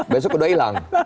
besok kedua hilang